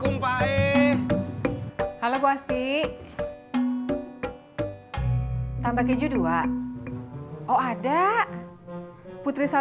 ambilin keju dua